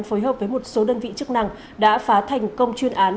phối hợp với một số đơn vị chức năng đã phá thành công chuyên án